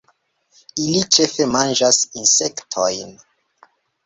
Ili ĉefe manĝas insektojn.